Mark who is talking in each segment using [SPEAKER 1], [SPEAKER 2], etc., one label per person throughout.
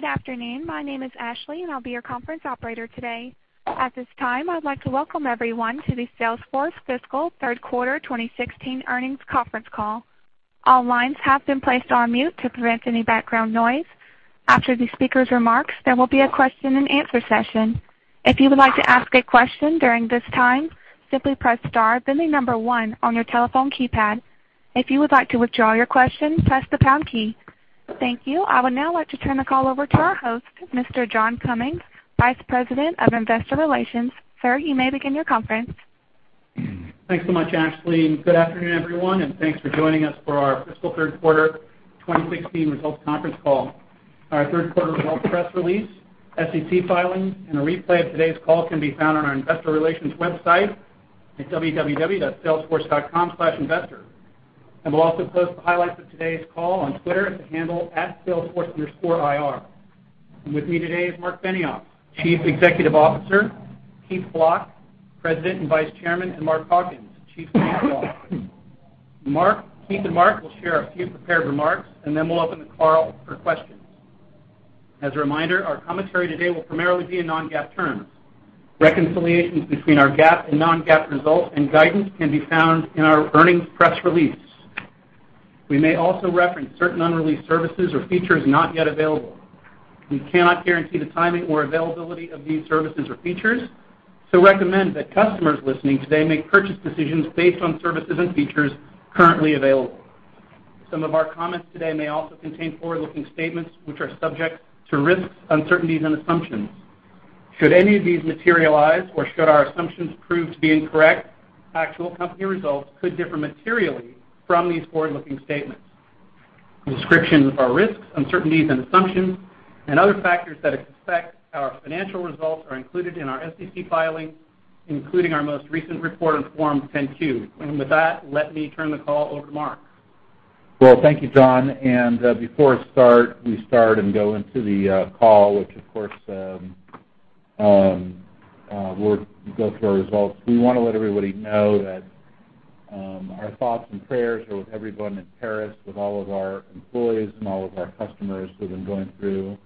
[SPEAKER 1] Good afternoon. My name is Ashley, and I'll be your conference operator today. At this time, I'd like to welcome everyone to the Salesforce Fiscal Third Quarter 2016 Earnings Conference Call. All lines have been placed on mute to prevent any background noise. After the speaker's remarks, there will be a question and answer session. If you would like to ask a question during this time, simply press star then the number 1 on your telephone keypad. If you would like to withdraw your question, press the pound key. Thank you. I would now like to turn the call over to our host, Mr. John Cummings, Vice President of Investor Relations. Sir, you may begin your conference.
[SPEAKER 2] Thanks so much, Ashley. Good afternoon, everyone, and thanks for joining us for our fiscal third quarter 2016 results conference call. Our third quarter results press release, SEC filings, and a replay of today's call can be found on our investor relations website at www.salesforce.com/investor. We'll also post the highlights of today's call on Twitter at the handle @salesforce_IR. With me today is Marc Benioff, Chief Executive Officer, Keith Block, President and Vice Chairman, and Mark Hawkins, Chief Financial Officer. Marc, Keith, and Mark will share a few prepared remarks. Then we'll open the call up for questions. As a reminder, our commentary today will primarily be in non-GAAP terms. Reconciliations between our GAAP and non-GAAP results and guidance can be found in our earnings press release. We may also reference certain unreleased services or features not yet available. We cannot guarantee the timing or availability of these services or features. Recommend that customers listening today make purchase decisions based on services and features currently available. Some of our comments today may also contain forward-looking statements, which are subject to risks, uncertainties, and assumptions. Should any of these materialize or should our assumptions prove to be incorrect, actual company results could differ materially from these forward-looking statements. Descriptions of our risks, uncertainties, and assumptions and other factors that affect our financial results are included in our SEC filings, including our most recent report on Form 10-Q. With that, let me turn the call over to Mark.
[SPEAKER 3] Well, thank you, John. Before we start and go into the call, which of course, we'll go through our results. We want to let everybody know that our thoughts and prayers are with everyone in Paris, with all of our employees and all of our customers who have been going through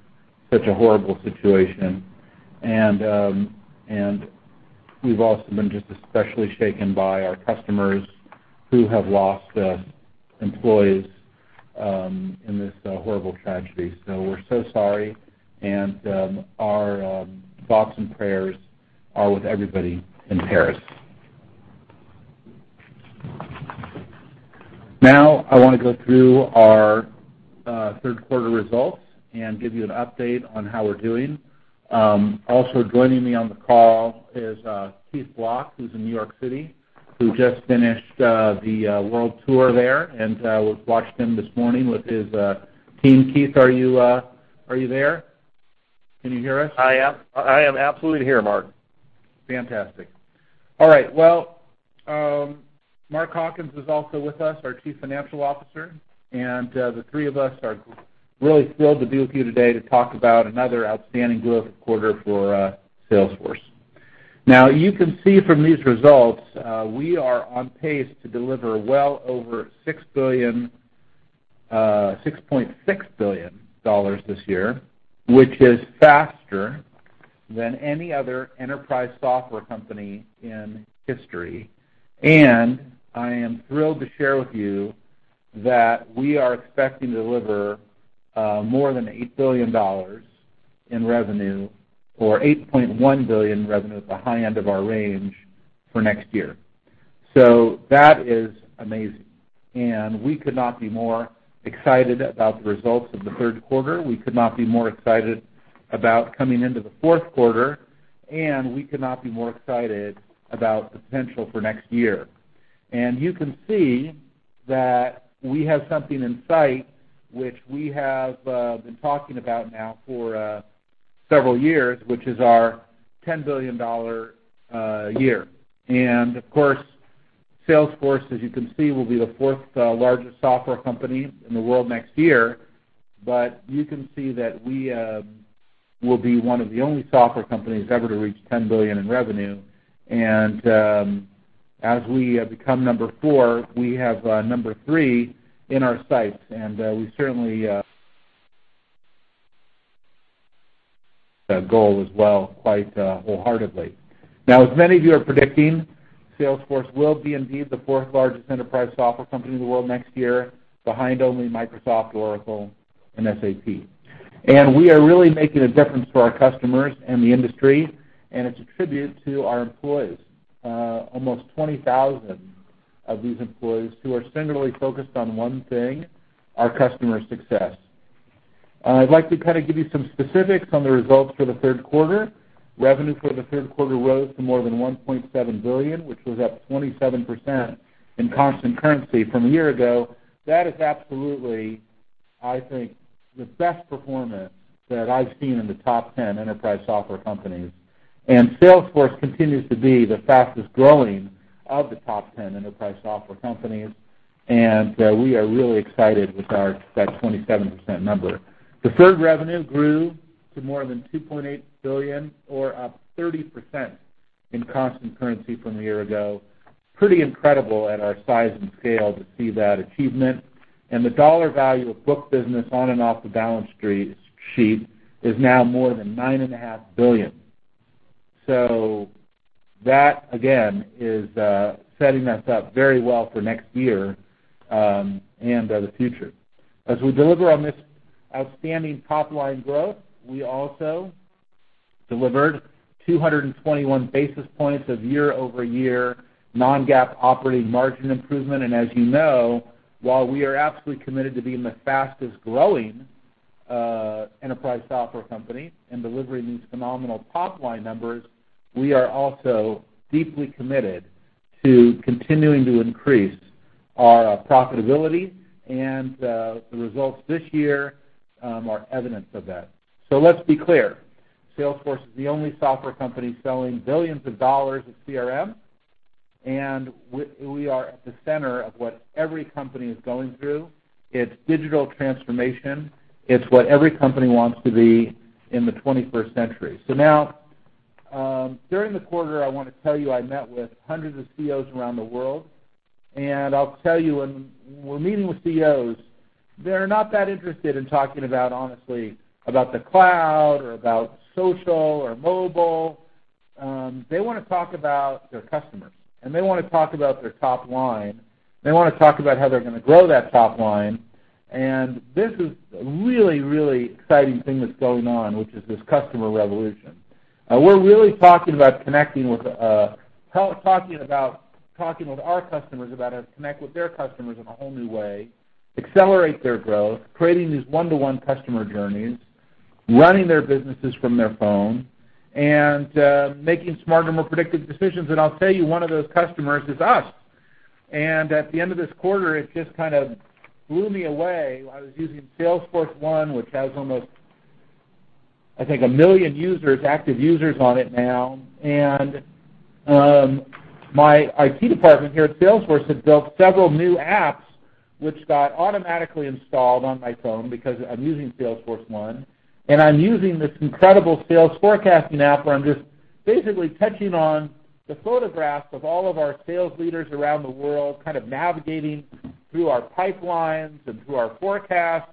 [SPEAKER 3] such a horrible situation. We've also been just especially shaken by our customers who have lost employees in this horrible tragedy. We're so sorry, and our thoughts and prayers are with everybody in Paris. I want to go through our third quarter results and give you an update on how we're doing. Also joining me on the call is Keith Block, who's in New York City, who just finished the World Tour there, and watched him this morning with his team. Keith, are you there? Can you hear us?
[SPEAKER 4] I am absolutely here, Mark.
[SPEAKER 3] Fantastic. All right. Mark Hawkins is also with us, our Chief Financial Officer, and the three of us are really thrilled to be with you today to talk about another outstanding growth quarter for Salesforce. You can see from these results, we are on pace to deliver well over $6.6 billion this year, which is faster than any other enterprise software company in history. I am thrilled to share with you that we are expecting to deliver more than $8 billion in revenue, or $8.1 billion revenue at the high end of our range for next year. That is amazing, and we could not be more excited about the results of the third quarter. We could not be more excited about coming into the fourth quarter, and we could not be more excited about the potential for next year. You can see that we have something in sight, which we have been talking about now for several years, which is our $10 billion a year. Of course, Salesforce, as you can see, will be the fourth largest software company in the world next year. You can see that we will be one of the only software companies ever to reach $10 billion in revenue. As we become number 4, we have number 3 in our sights, and we certainly goal as well, quite wholeheartedly. As many of you are predicting, Salesforce will be indeed the fourth largest enterprise software company in the world next year, behind only Microsoft, Oracle, and SAP. We are really making a difference for our customers and the industry, and it's a tribute to our employees. Almost 20,000 of these employees who are singularly focused on one thing, our customer success. I'd like to give you some specifics on the results for the third quarter. Revenue for the third quarter rose to more than $1.7 billion, which was up 27% in constant currency from a year ago. That is absolutely, I think, the best performance that I've seen in the top 10 enterprise software companies. Salesforce continues to be the fastest growing of the top 10 enterprise software companies, and we are really excited with that 27% number. Deferred revenue grew to more than $2.8 billion or up 30%. In constant currency from a year ago. Pretty incredible at our size and scale to see that achievement. The dollar value of book business on and off the balance sheet is now more than $9.5 billion. That, again, is setting us up very well for next year and the future. As we deliver on this outstanding top-line growth, we also delivered 221 basis points of year-over-year non-GAAP operating margin improvement. As you know, while we are absolutely committed to being the fastest-growing enterprise software company and delivering these phenomenal top-line numbers, we are also deeply committed to continuing to increase our profitability, and the results this year are evidence of that. Let's be clear. Salesforce is the only software company selling billions of dollars of CRM, and we are at the center of what every company is going through. It's digital transformation. It's what every company wants to be in the 21st century. Now, during the quarter, I want to tell you, I met with hundreds of CEOs around the world. I'll tell you, when we're meeting with CEOs, they're not that interested in talking about, honestly, about the cloud or about social or mobile. They want to talk about their customers, and they want to talk about their top line. They want to talk about how they're going to grow that top line. This is a really, really exciting thing that's going on, which is this customer revolution. We're really talking with our customers about how to connect with their customers in a whole new way, accelerate their growth, creating these one-to-one customer journeys, running their businesses from their phone, and making smarter, more predictive decisions. I'll tell you, one of those customers is us. At the end of this quarter, it just kind of blew me away. I was using Salesforce1, which has almost, I think, a million active users on it now. My IT department here at Salesforce had built several new apps which got automatically installed on my phone because I'm using Salesforce1. I'm using this incredible sales forecasting app where I'm just basically touching on the photographs of all of our sales leaders around the world, kind of navigating through our pipelines and through our forecasts.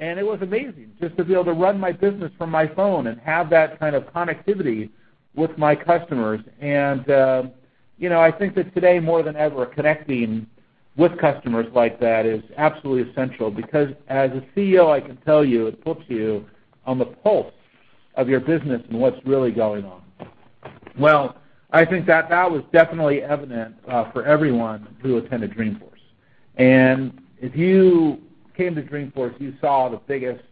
[SPEAKER 3] It was amazing just to be able to run my business from my phone and have that kind of connectivity with my customers. I think that today, more than ever, connecting with customers like that is absolutely essential because as a CEO, I can tell you, it puts you on the pulse of your business and what's really going on. Well, I think that was definitely evident for everyone who attended Dreamforce. If you came to Dreamforce, you saw the biggest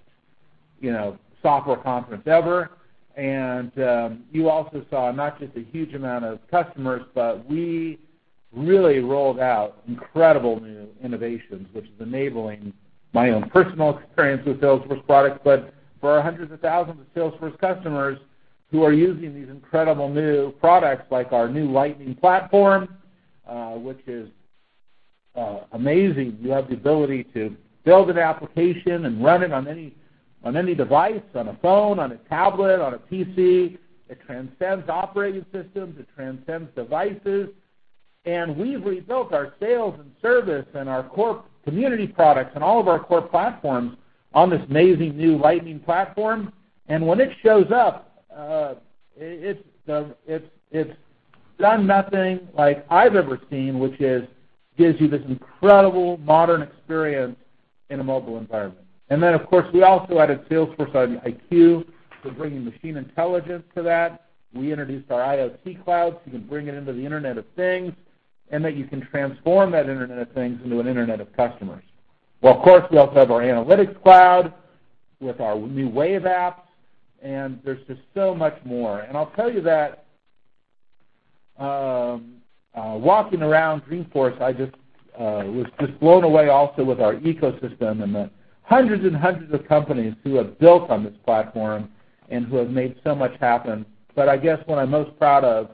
[SPEAKER 3] software conference ever. You also saw not just a huge amount of customers, but we really rolled out incredible new innovations, which is enabling my own personal experience with Salesforce products, but for hundreds of thousands of Salesforce customers who are using these incredible new products, like our new Lightning platform, which is amazing. You have the ability to build an application and run it on any device, on a phone, on a tablet, on a PC. It transcends operating systems. It transcends devices. We've rebuilt our sales and service and our core community products and all of our core platforms on this amazing new Lightning platform. When it shows up, it's done nothing like I've ever seen, which gives you this incredible modern experience in a mobile environment. Then, of course, we also added Salesforce IQ for bringing machine intelligence to that. We introduced our IoT Cloud, so you can bring it into the Internet of Things, and that you can transform that Internet of Things into an internet of customers. Well, of course, we also have our Analytics Cloud with our new Wave apps, and there's just so much more. I'll tell you that walking around Dreamforce, I just was blown away also with our ecosystem and the hundreds and hundreds of companies who have built on this platform and who have made so much happen. I guess what I'm most proud of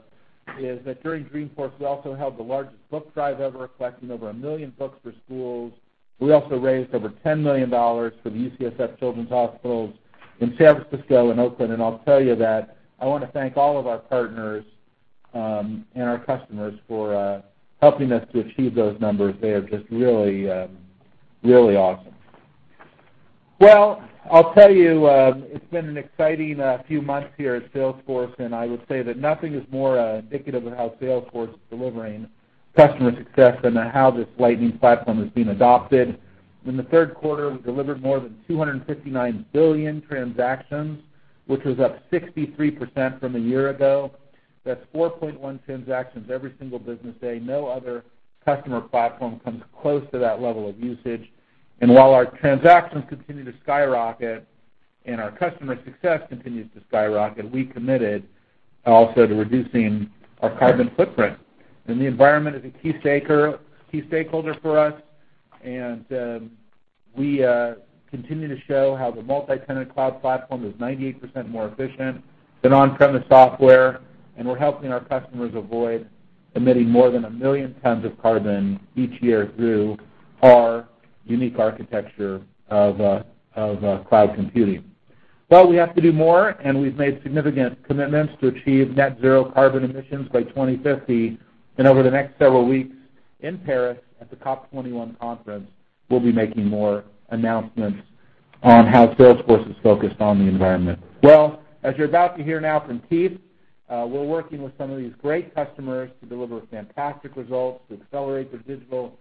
[SPEAKER 3] is that during Dreamforce, we also held the largest book drive ever, collecting over 1 million books for schools. We also raised over $10 million for the UCSF Children's Hospitals in San Francisco and Oakland. I'll tell you that I want to thank all of our partners and our customers for helping us to achieve those numbers. They are just really awesome. Well, I'll tell you, it's been an exciting few months here at Salesforce, I would say that nothing is more indicative of how Salesforce is delivering customer success than how this Lightning platform has been adopted. In the third quarter, we delivered more than 259 billion transactions, which was up 63% from a year ago. That's 4.1 transactions every single business day. No other customer platform comes close to that level of usage. While our transactions continue to skyrocket and our customer success continues to skyrocket, we committed also to reducing our carbon footprint. The environment is a key stakeholder for us, and we continue to show how the multi-tenant cloud platform is 98% more efficient than on-premise software. We're helping our customers avoid emitting more than 1 million tons of carbon each year through our unique architecture of cloud computing. Well, we have to do more, we've made significant commitments to achieve net zero carbon emissions by 2050. Over the next several weeks in Paris at the COP21 conference, we'll be making more announcements on how Salesforce is focused on the environment. Well, as you're about to hear now from Keith, we're working with some of these great customers to deliver fantastic results to accelerate their digital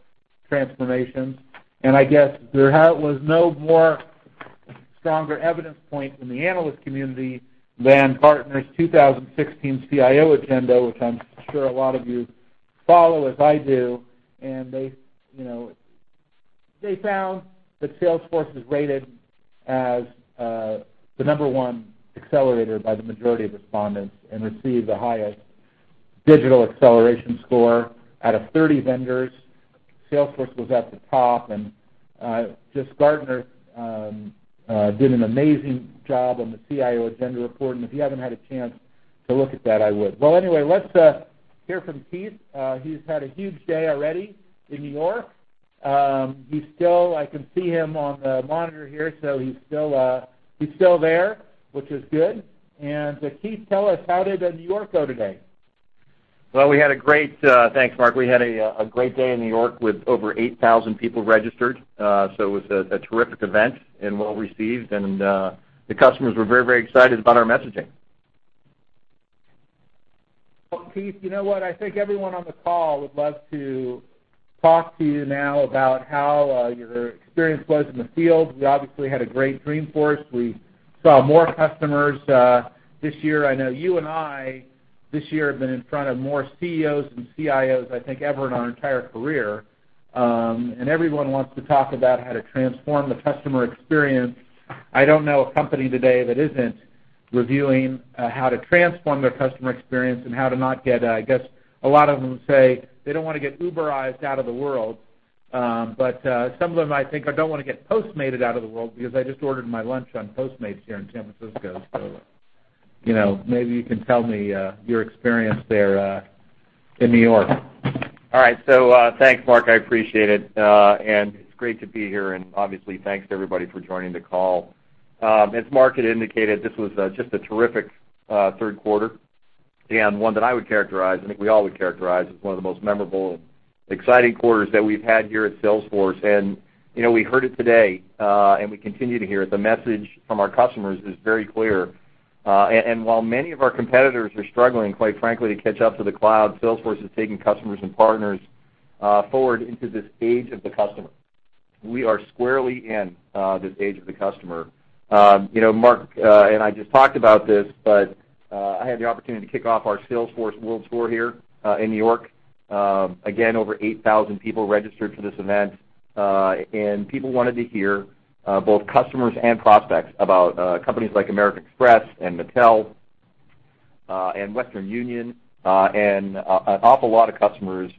[SPEAKER 3] transformations. I guess there was no more stronger evidence point in the analyst community than Gartner's 2016 CIO Agenda, which I'm sure a lot of you follow as I do. They found that Salesforce is rated as the number 1 accelerator by the majority of respondents and received the highest digital acceleration score. Out of 30 vendors, Salesforce was at the top, just Gartner did an amazing job on the CIO Agenda report. If you haven't had a chance to look at that, I would. Well, anyway, let's hear from Keith. He's had a huge day already in N.Y. I can see him on the monitor here, so he's still there, which is good. Keith, tell us, how did N.Y. go today?
[SPEAKER 4] Well, we had a great. Thanks, Mark. We had a great day in New York with over 8,000 people registered. It was a terrific event and well-received, and the customers were very excited about our messaging.
[SPEAKER 3] Well, Keith, you know what? I think everyone on the call would love to talk to you now about how your experience was in the field. We obviously had a great Dreamforce. We saw more customers this year. I know you and I, this year, have been in front of more CEOs and CIOs, I think, ever in our entire career. Everyone wants to talk about how to transform the customer experience. I don't know a company today that isn't reviewing how to transform their customer experience and how to not get, I guess a lot of them say they don't want to get Uberized out of the world. Some of them might think, I don't want to get Postmated out of the world because I just ordered my lunch on Postmates here in San Francisco. Maybe you can tell me your experience there in New York.
[SPEAKER 4] All right. Thanks, Mark. I appreciate it. It's great to be here, and obviously, thanks to everybody for joining the call. As Mark had indicated, this was just a terrific third quarter, and one that I would characterize, I think we all would characterize as one of the most memorable and exciting quarters that we've had here at Salesforce. We heard it today, and we continue to hear it. The message from our customers is very clear. While many of our competitors are struggling, quite frankly, to catch up to the cloud, Salesforce is taking customers and partners forward into this age of the customer. We are squarely in this age of the customer. Mark and I just talked about this. I had the opportunity to kick off our Salesforce World Tour here in New York. Again, over 8,000 people registered for this event. People wanted to hear, both customers and prospects, about companies like American Express and Mattel, and Western Union, and an awful lot of customers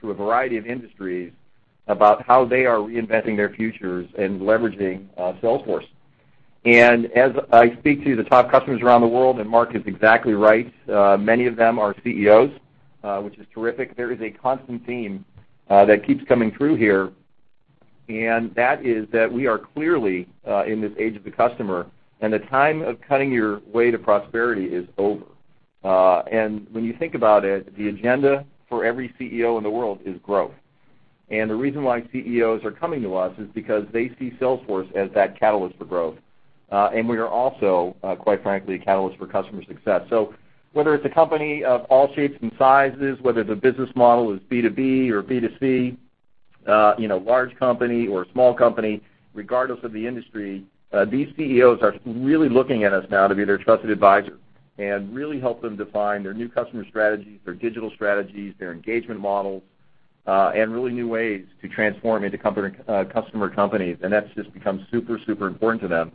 [SPEAKER 4] through a variety of industries about how they are reinventing their futures and leveraging Salesforce. As I speak to the top customers around the world, and Mark is exactly right, many of them are CEOs, which is terrific. There is a constant theme that keeps coming through here, and that is that we are clearly in this age of the customer, and the time of cutting your way to prosperity is over. When you think about it, the agenda for every CEO in the world is growth. The reason why CEOs are coming to us is because they see Salesforce as that catalyst for growth. We are also, quite frankly, a catalyst for customer success. Whether it's a company of all shapes and sizes, whether the business model is B2B or B2C, large company or small company, regardless of the industry, these CEOs are really looking at us now to be their trusted advisor and really help them define their new customer strategies, their digital strategies, their engagement models, and really new ways to transform into customer companies. That's just become super important to them.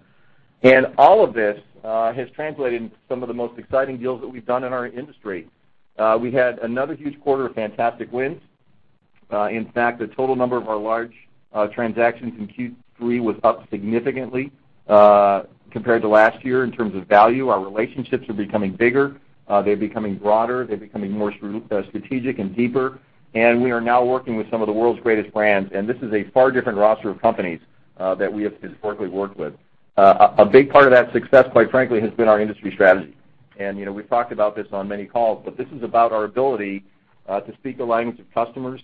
[SPEAKER 4] All of this has translated into some of the most exciting deals that we've done in our industry. We had another huge quarter of fantastic wins. In fact, the total number of our large transactions in Q3 was up significantly compared to last year in terms of value. Our relationships are becoming bigger, they're becoming broader, they're becoming more strategic and deeper, and we are now working with some of the world's greatest brands. This is a far different roster of companies that we have historically worked with. A big part of that success, quite frankly, has been our industry strategy. We've talked about this on many calls, but this is about our ability to speak the language of customers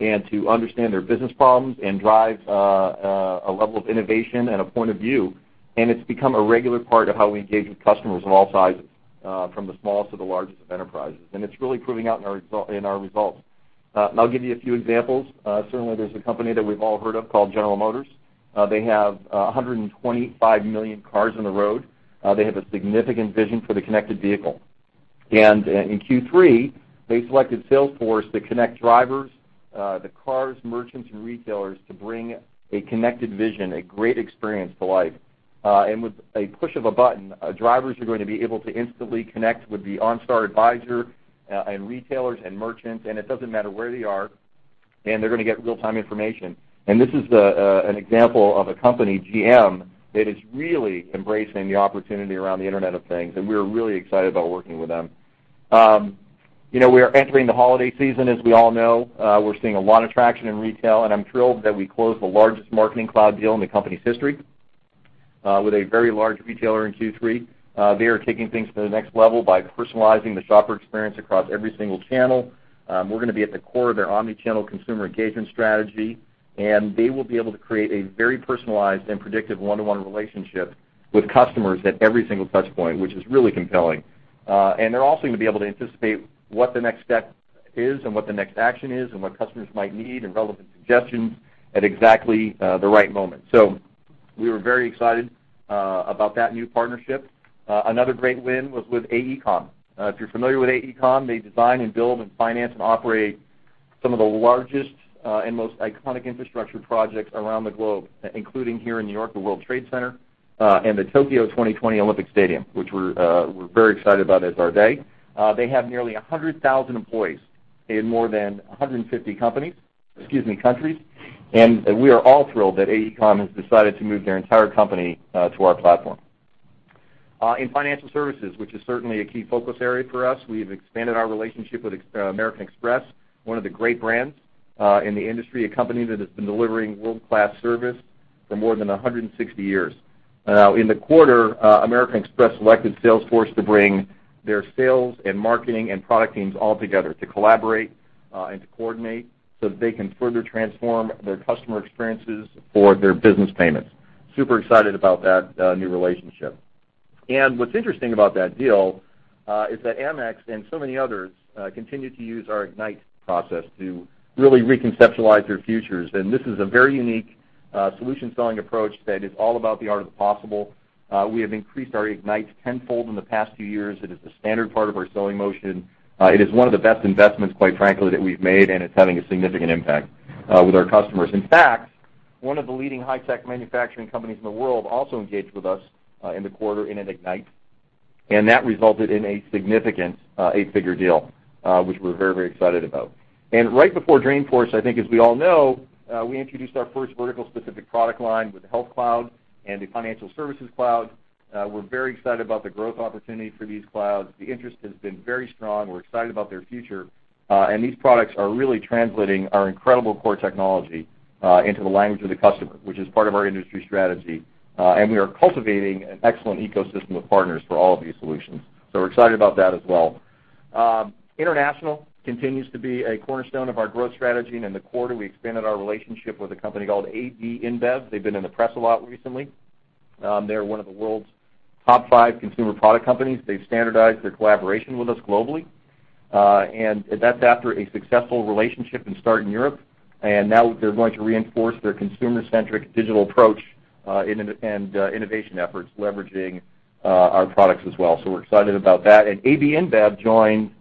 [SPEAKER 4] and to understand their business problems and drive a level of innovation and a point of view. It's become a regular part of how we engage with customers of all sizes, from the smallest to the largest of enterprises. It's really proving out in our results. I'll give you a few examples. Certainly, there's a company that we've all heard of called General Motors. They have 125 million cars on the road. They have a significant vision for the connected vehicle. In Q3, they selected Salesforce to connect drivers, the cars, merchants, and retailers to bring a connected vision, a great experience to life. With a push of a button, drivers are going to be able to instantly connect with the OnStar advisor, and retailers and merchants, and it doesn't matter where they are, and they're going to get real-time information. This is an example of a company, GM, that is really embracing the opportunity around the Internet of Things, and we are really excited about working with them. We are entering the holiday season, as we all know. We're seeing a lot of traction in retail, and I'm thrilled that we closed the largest Marketing Cloud deal in the company's history with a very large retailer in Q3. They are taking things to the next level by personalizing the shopper experience across every single channel. We're going to be at the core of their omni-channel consumer engagement strategy, and they will be able to create a very personalized and predictive one-to-one relationship with customers at every single touch point, which is really compelling. They're also going to be able to anticipate what the next step is, and what the next action is, and what customers might need, and relevant suggestions at exactly the right moment. We were very excited about that new partnership. Another great win was with AECOM. If you're familiar with AECOM, they design and build and finance and operate some of the largest and most iconic infrastructure projects around the globe, including here in New York, the World Trade Center, and the Tokyo 2020 Olympic Stadium, which we're very excited about as are they. They have nearly 100,000 employees in more than 150 countries, we are all thrilled that AECOM has decided to move their entire company to our platform. In financial services, which is certainly a key focus area for us, we've expanded our relationship with American Express, one of the great brands in the industry, a company that has been delivering world-class service for more than 160 years. In the quarter, American Express selected Salesforce to bring their sales and marketing and product teams all together to collaborate and to coordinate so that they can further transform their customer experiences for their business payments. Super excited about that new relationship. What's interesting about that deal is that Amex and so many others continue to use our Ignite process to really reconceptualize their futures. This is a very unique solution selling approach that is all about the art of the possible. We have increased our Ignites tenfold in the past few years. It is the standard part of our selling motion. It is one of the best investments, quite frankly, that we've made, and it's having a significant impact with our customers. In fact, one of the leading high-tech manufacturing companies in the world also engaged with us in the quarter in an Ignite, that resulted in a significant eight-figure deal, which we're very excited about. Right before Dreamforce, I think as we all know, we introduced our first vertical specific product line with the Health Cloud and the Financial Services Cloud. We're very excited about the growth opportunity for these clouds. The interest has been very strong. We're excited about their future. These products are really translating our incredible core technology into the language of the customer, which is part of our industry strategy. We are cultivating an excellent ecosystem of partners for all of these solutions. We're excited about that as well. International continues to be a cornerstone of our growth strategy. In the quarter, we expanded our relationship with a company called AB InBev. They've been in the press a lot recently. They're one of the world's top five consumer product companies. They've standardized their collaboration with us globally. That's after a successful relationship and start in Europe. Now they're going to reinforce their consumer-centric digital approach, and innovation efforts leveraging our products as well. We're excited about that. AB InBev joined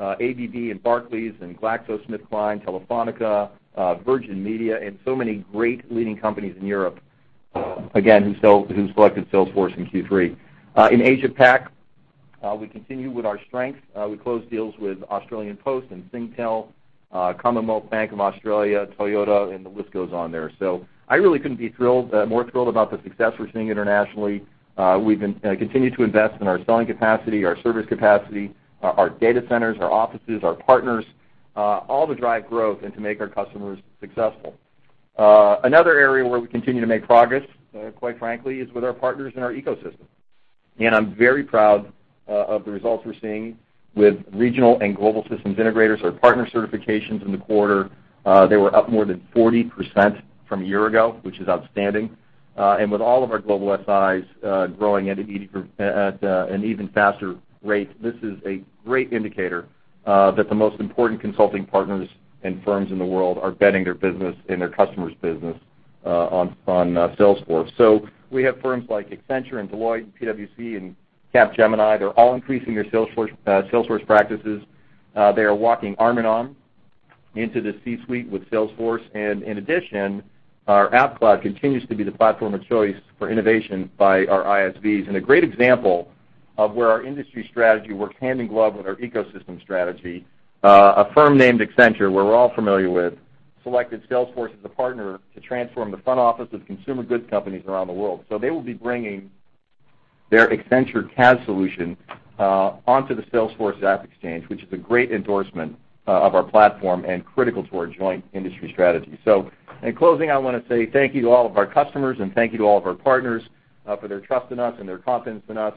[SPEAKER 4] ABB, Barclays, GlaxoSmithKline, Telefónica, Virgin Media, and so many great leading companies in Europe, again, who selected Salesforce in Q3. In Asia Pac, we continue with our strength. We closed deals with Australia Post and Singtel, Commonwealth Bank of Australia, Toyota, and the list goes on there. I really couldn't be more thrilled about the success we're seeing internationally. We've continued to invest in our selling capacity, our service capacity, our data centers, our offices, our partners, all to drive growth and to make our customers successful. Another area where we continue to make progress, quite frankly, is with our partners in our ecosystem. I'm very proud of the results we're seeing with regional and global systems integrators. Our partner certifications in the quarter, they were up more than 40% from a year ago, which is outstanding. With all of our global SIs growing at an even faster rate, this is a great indicator that the most important consulting partners and firms in the world are betting their business and their customers' business on Salesforce. We have firms like Accenture, Deloitte, PwC, and Capgemini. They are all increasing their Salesforce practices. They are walking arm in arm into the C-suite with Salesforce. In addition, our App Cloud continues to be the platform of choice for innovation by our ISVs. A great example of where our industry strategy works hand in glove with our ecosystem strategy, a firm named Accenture, who we are all familiar with, selected Salesforce as a partner to transform the front office of consumer goods companies around the world. They will be bringing their Accenture CAS solution onto the Salesforce AppExchange, which is a great endorsement of our platform and critical to our joint industry strategy. In closing, I want to say thank you to all of our customers and thank you to all of our partners for their trust in us and their confidence in us.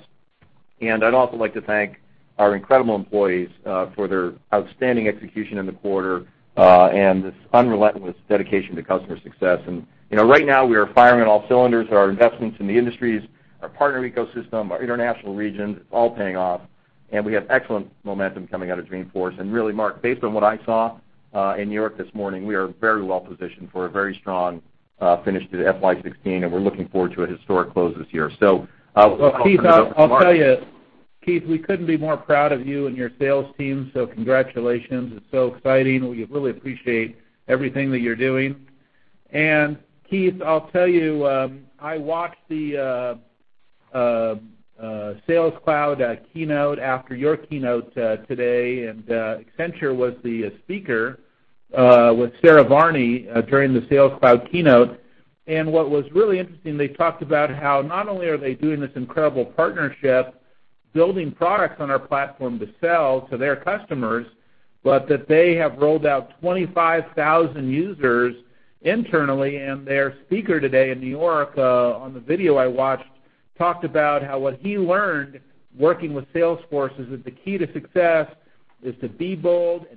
[SPEAKER 4] I'd also like to thank our incredible employees for their outstanding execution in the quarter, and this unrelenting dedication to customer success. Right now, we are firing on all cylinders. Our investments in the industries, our partner ecosystem, our international regions, it's all paying off. We have excellent momentum coming out of Dreamforce. Really, Mark, based on what I saw in New York this morning, we are very well positioned for a very strong finish to FY 2016, and we are looking forward to a historic close this year. I will turn it over to Mark.
[SPEAKER 3] Keith, I'll tell you, Keith, we couldn't be more proud of you and your sales team, congratulations. It's so exciting. We really appreciate everything that you are doing. Keith, I'll tell you, I watched the Sales Cloud keynote after your keynote today, and Accenture was the speaker, with Sara Varni during the Sales Cloud keynote. What was really interesting, they talked about how not only are they doing this incredible partnership, building products on our platform to sell to their customers, but that they have rolled out 25,000 users internally, and their speaker today in New York, on the video I watched, talked about how what he learned working with Salesforce is that the key to success is to be bold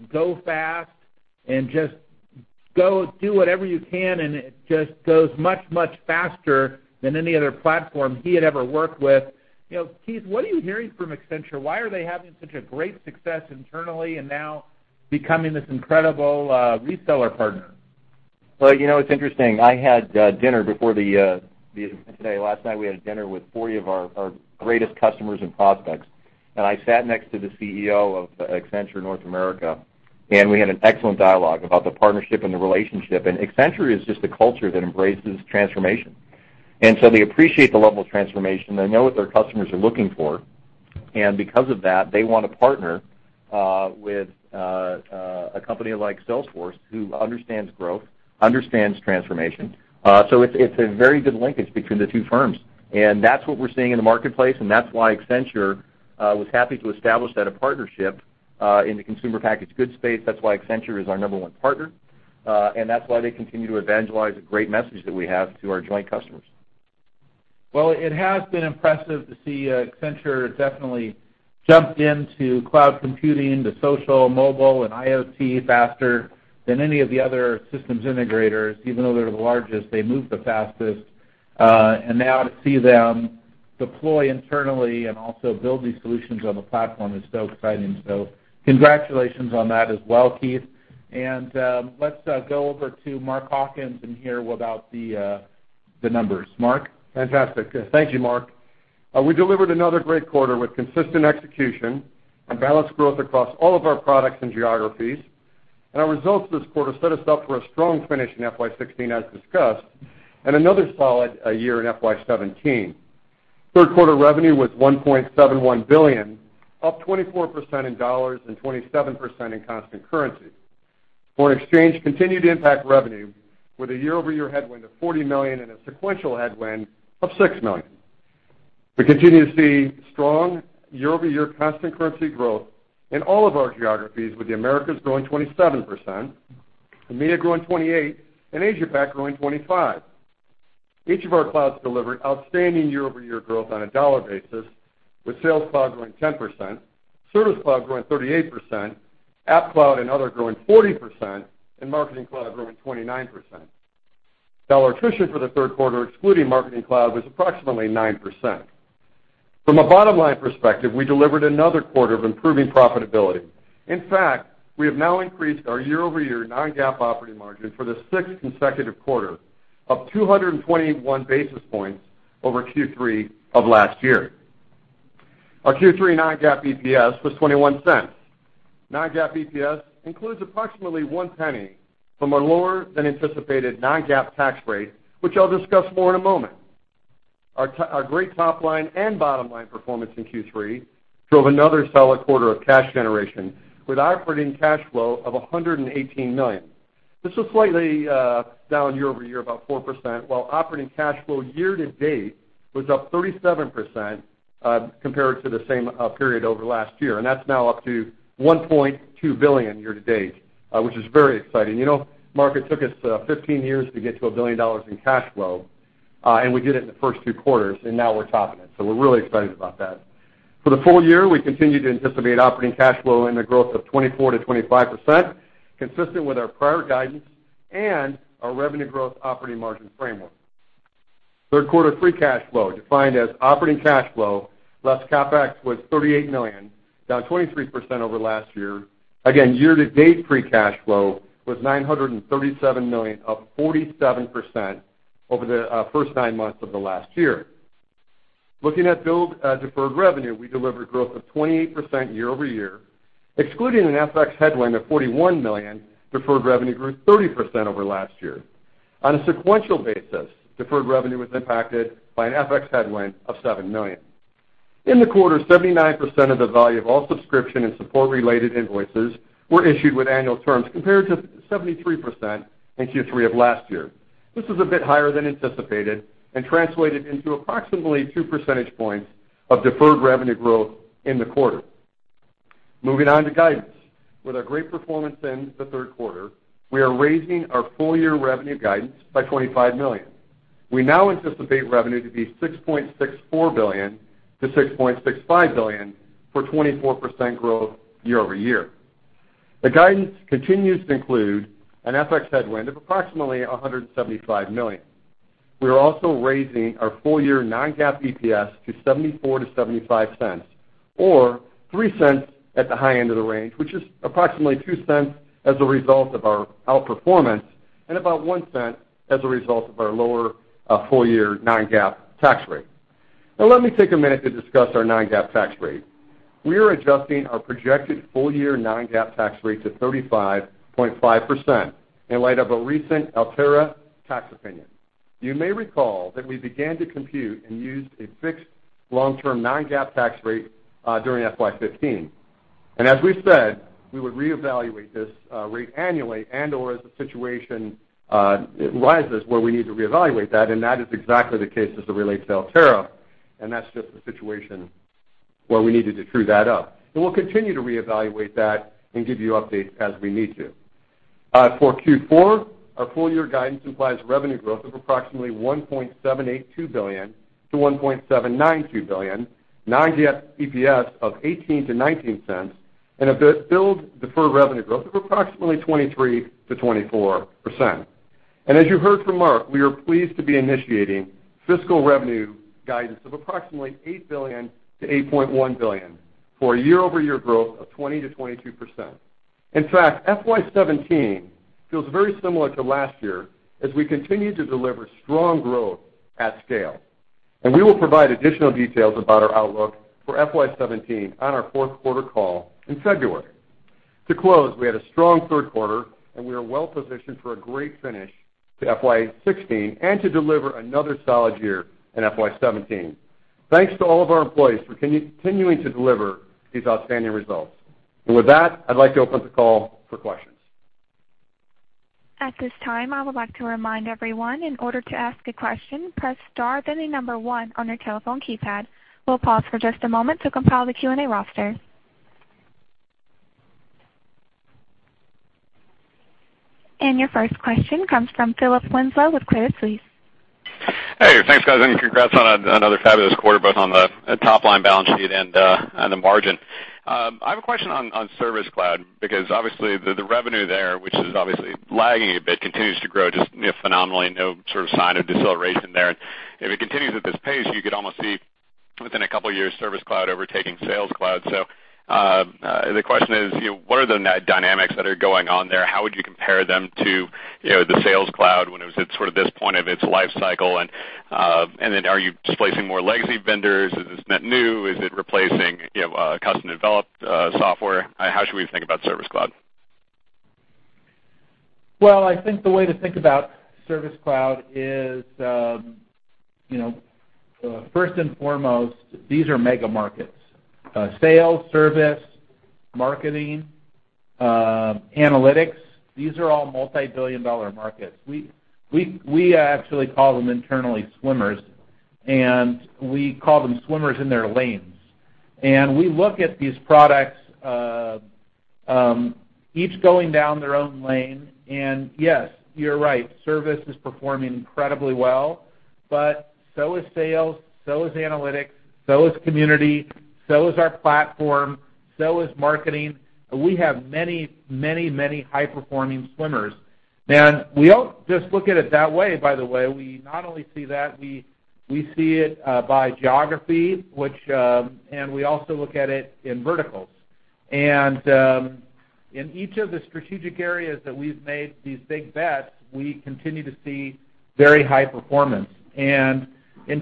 [SPEAKER 3] and go fast and just do whatever you can, and it just goes much, much faster than any other platform he had ever worked with. Keith, what are you hearing from Accenture? Why are they having such a great success internally and now becoming this incredible reseller partner?
[SPEAKER 4] Well, it's interesting. I had dinner before the event today. Last night, we had a dinner with 40 of our greatest customers and prospects, I sat next to the CEO of Accenture North America, we had an excellent dialogue about the partnership and the relationship. Accenture is just a culture that embraces transformation. They appreciate the level of transformation. They know what their customers are looking for, because of that, they want to partner with a company like Salesforce who understands growth, understands transformation. It's a very good linkage between the two firms, that's what we're seeing in the marketplace, that's why Accenture was happy to establish that partnership in the consumer packaged goods space. That's why Accenture is our number one partner, that's why they continue to evangelize the great message that we have to our joint customers.
[SPEAKER 3] Well, it has been impressive to see Accenture definitely jumped into cloud computing, to social, mobile, and IoT faster than any of the other systems integrators. Even though they're the largest, they moved the fastest. Now to see them deploy internally and also build these solutions on the platform is so exciting. Congratulations on that as well, Keith. Let's go over to Mark Hawkins and hear about the numbers. Mark?
[SPEAKER 5] Fantastic. Thank you, Mark. We delivered another great quarter with consistent execution and balanced growth across all of our products and geographies. Our results this quarter set us up for a strong finish in FY 2016, as discussed, another solid year in FY 2017. Third quarter revenue was $1.71 billion, up 24% in dollars and 27% in constant currency. Foreign exchange continued to impact revenue with a year-over-year headwind of $40 million and a sequential headwind of $6 million. We continue to see strong year-over-year constant currency growth in all of our geographies, with the Americas growing 27%, EMEA growing 28%, Asia Pac growing 25%. Each of our clouds delivered outstanding year-over-year growth on a dollar basis, with Sales Cloud growing 10%, Service Cloud growing 38%, App Cloud and other growing 40%, Marketing Cloud growing 29%. Dollar attrition for the third quarter, excluding Marketing Cloud, was approximately 9%. From a bottom-line perspective, we delivered another quarter of improving profitability. In fact, we have now increased our year-over-year non-GAAP operating margin for the sixth consecutive quarter of 221 basis points over Q3 of last year. Our Q3 non-GAAP EPS was $0.21. Non-GAAP EPS includes approximately $0.01 from a lower than anticipated non-GAAP tax rate, which I'll discuss more in a moment. Our great top-line and bottom-line performance in Q3 drove another solid quarter of cash generation with operating cash flow of $118 million. This was slightly down year-over-year, about 4%, while operating cash flow year-to-date was up 37% compared to the same period over last year. That's now up to $1.2 billion year-to-date, which is very exciting. Mark, it took us 15 years to get to $1 billion in cash flow, we did it in the first two quarters, now we're topping it. We're really excited about that. For the full year, we continue to anticipate operating cash flow in the growth of 24%-25%, consistent with our prior guidance and our revenue growth operating margin framework. Third quarter free cash flow defined as operating cash flow less CapEx was $38 million, down 23% over last year. Again, year-to-date free cash flow was $937 million, up 47% over the first nine months of the last year. Looking at billed deferred revenue, we delivered growth of 28% year-over-year. Excluding an FX headwind of $41 million, deferred revenue grew 30% over last year. On a sequential basis, deferred revenue was impacted by an FX headwind of $7 million. In the quarter, 79% of the value of all subscription and support related invoices were issued with annual terms, compared to 73% in Q3 of last year. This was a bit higher than anticipated and translated into approximately two percentage points of deferred revenue growth in the quarter. Moving on to guidance. With our great performance in the third quarter, we are raising our full-year revenue guidance by $25 million. We now anticipate revenue to be $6.64 billion-$6.65 billion for 24% growth year-over-year. The guidance continues to include an FX headwind of approximately $175 million. We are also raising our full-year non-GAAP EPS to $0.74-$0.75, or $0.03 at the high end of the range, which is approximately $0.02 as a result of our outperformance and about $0.01 as a result of our lower full-year non-GAAP tax rate. Let me take a minute to discuss our non-GAAP tax rate. We are adjusting our projected full-year non-GAAP tax rate to 35.5% in light of a recent Altera tax opinion. You may recall that we began to compute and used a fixed long-term non-GAAP tax rate during FY 2015. As we said, we would reevaluate this rate annually and/or as the situation arises where we need to reevaluate that is exactly the case as it relates to Altera, that's just the situation where we needed to true that up. We'll continue to reevaluate that and give you updates as we need to. For Q4, our full-year guidance implies revenue growth of approximately $1.782 billion-$1.792 billion, non-GAAP EPS of $0.18-$0.19, and a billed deferred revenue growth of approximately 23%-24%. As you heard from Mark, we are pleased to be initiating fiscal revenue guidance of approximately $8 billion-$8.1 billion for a year-over-year growth of 20%-22%. In fact, FY 2017 feels very similar to last year as we continue to deliver strong growth at scale. We will provide additional details about our outlook for FY 2017 on our fourth quarter call in February. To close, we had a strong third quarter, we are well positioned for a great finish to FY 2016 and to deliver another solid year in FY 2017. Thanks to all of our employees for continuing to deliver these outstanding results. With that, I'd like to open the call for questions.
[SPEAKER 1] At this time, I would like to remind everyone, in order to ask a question, press star, then the number one on your telephone keypad. We will pause for just a moment to compile the Q&A roster. Your first question comes from Philip Winslow with Credit Suisse.
[SPEAKER 6] Hey, thanks, guys, congrats on another fabulous quarter, both on the top-line balance sheet and the margin. I have a question on Service Cloud, because obviously the revenue there, which is obviously lagging a bit, continues to grow just phenomenally. No sign of deceleration there. If it continues at this pace, you could almost see within a couple of years Service Cloud overtaking Sales Cloud. The question is, what are the net dynamics that are going on there? How would you compare them to the Sales Cloud when it was at this point of its life cycle, then are you displacing more legacy vendors? Is this net new? Is it replacing custom-developed software? How should we think about Service Cloud?
[SPEAKER 3] Well, I think the way to think about Service Cloud is, first and foremost, these are mega markets. Sales, service, marketing, analytics, these are all multibillion-dollar markets. We actually call them internally swimmers, we call them swimmers in their lanes. We look at these products each going down their own lane. Yes, you're right, Service is performing incredibly well, but so is Sales, so is Analytics, so is community, so is our platform, so is Marketing. We have many high-performing swimmers. We don't just look at it that way, by the way. We not only see that, we see it by geography, we also look at it in verticals. In each of the strategic areas that we've made these big bets, we continue to see very high performance. In